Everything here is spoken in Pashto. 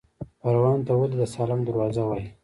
پروان ته ولې د سالنګ دروازه وایي؟